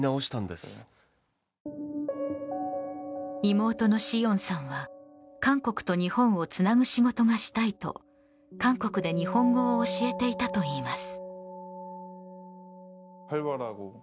妹のシヨンさんは、韓国と日本をつなぐ仕事がしたいと韓国で日本語を教えていたといいます。